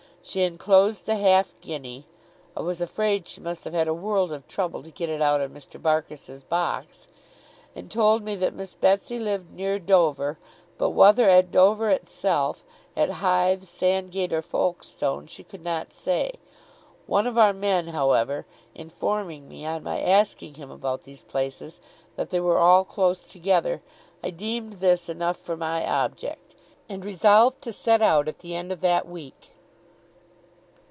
She enclosed the half guinea (I was afraid she must have had a world of trouble to get it out of Mr. Barkis's box), and told me that Miss Betsey lived near Dover, but whether at Dover itself, at Hythe, Sandgate, or Folkestone, she could not say. One of our men, however, informing me on my asking him about these places, that they were all close together, I deemed this enough for my object, and resolved to set out at the end of that week.